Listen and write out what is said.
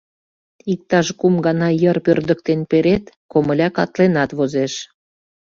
Иктаж кум гана йыр пӧрдыктен перет — комыля катленат возеш.